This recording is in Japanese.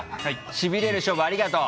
しびれる勝負ありがとう。